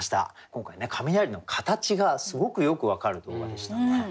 今回雷の形がすごくよく分かる動画でしたね。